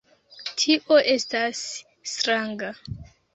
Tio estas stranga.